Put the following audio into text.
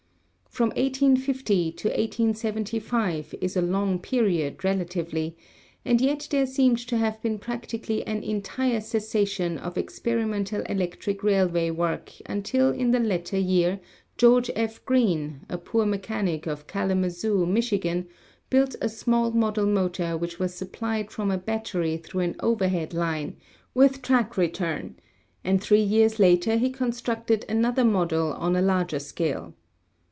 From 1850 to 1875 is a long period relatively, and yet there seemed to have been practically an entire cessation of experimental electric railway work until in the latter year George F. Greene, a poor mechanic of Kalamazoo, Mich., built a small model motor which was supplied from a battery through an overhead line, with track return, and three years later he constructed another model on a larger 282 ELECTRICITY scale.